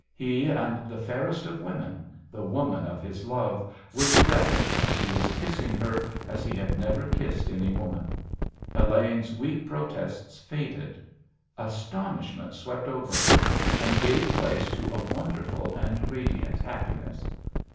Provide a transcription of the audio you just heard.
He and the fairest of women—the woman of his love—were together, and he was kissing her as he had never kissed any woman.... Elaine's weak protests faded; astonishment swept over her, and gave place to a wonderful and radiant happiness.